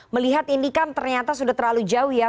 melihat ini kan ternyata sudah terlalu jauh ya